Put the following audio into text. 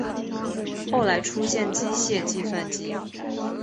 后来出现机械计算器。